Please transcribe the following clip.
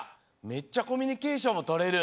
めっちゃコミュニケーションもとれる。